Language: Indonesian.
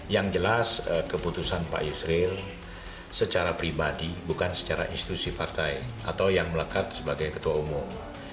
yang jelas keputusan pak yusril secara pribadi bukan secara institusi partai atau yang melekat sebagai ketua umum